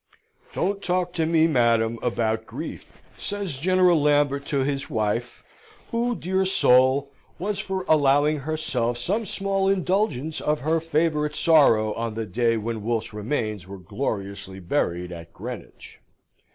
"Don't talk to me, madam, about grief," says General Lambert to his wife, who, dear soul, was for allowing herself some small indulgence of her favourite sorrow on the day when Wolfe's remains were gloriously buried at Greenwich.